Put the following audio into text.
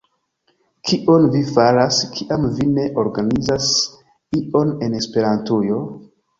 Kion vi faras, kiam vi ne organizas ion en Esperantujo?